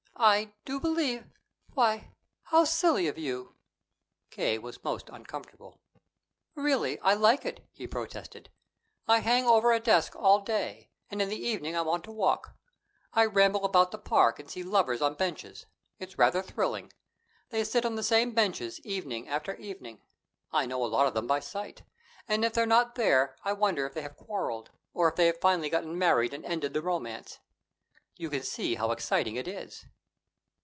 "I do believe why, how silly of you!" K. was most uncomfortable. "Really, I like it," he protested. "I hang over a desk all day, and in the evening I want to walk. I ramble around the park and see lovers on benches it's rather thrilling. They sit on the same benches evening after evening. I know a lot of them by sight, and if they're not there I wonder if they have quarreled, or if they have finally got married and ended the romance. You can see how exciting it is."